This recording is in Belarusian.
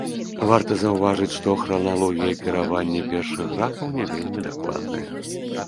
Варта заўважыць, што храналогія кіравання першых графаў не вельмі дакладная.